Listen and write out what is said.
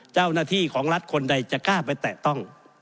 เจ้าหน้าที่ของรัฐคนใดจะกล้าไปแตะต้อง